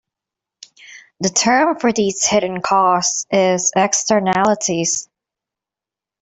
The term for these hidden costs is "Externalities".